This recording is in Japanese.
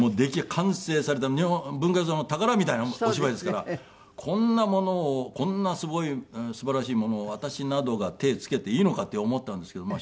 完成された文学座の宝みたいなお芝居ですからこんなものをこんな素晴らしいものを私などが手をつけていいのかって思ったんですけども。